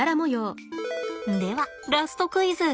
ではラストクイズ。